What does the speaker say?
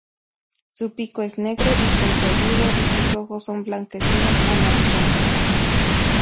Su pico es negro y puntiagudo y sus ojos son blanquecino amarillentos.